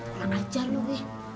orang aja lu weh